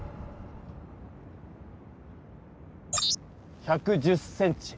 １１０ｃｍ。